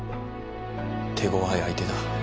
手ごわい相手だ。